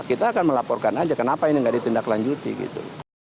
kita akan melaporkan aja kenapa ini gak ditindak lanjuti gitu